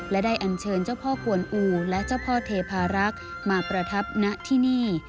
และได้อันเชิญเจ้าพ่อกวนอูและเจ้าพ่อเทพารักษ์มาประทับณที่นี่